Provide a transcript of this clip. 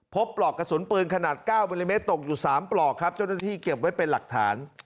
ปลอกกระสุนปืนขนาด๙มิลลิเมตรตกอยู่๓ปลอกครับเจ้าหน้าที่เก็บไว้เป็นหลักฐาน